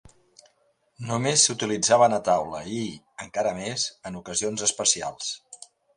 Només s'utilitzaven a taula, i ara encara més, en ocasions especials.